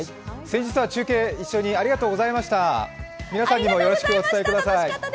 先日は中継一緒に、ありがとうございました。